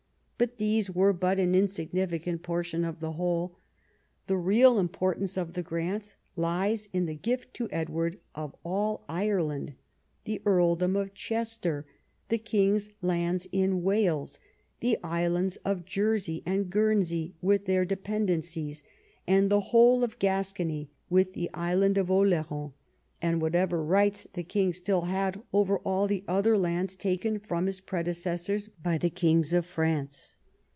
But these were but an insignificant portion of the whole. The real importance of the grants lies in the gift to Edward of all Ireland, the earldom of Chester, the king's lands in Wales, the islands of Jersey and Guernsey Avith their dependencies, and the whole of Gascony with the island of Oleron, and whatever rights the king still had over all the other lands taken from his predecessors by the kings of France.